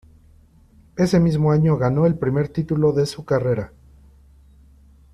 Ese mismo año ganó el primer título de su carrera.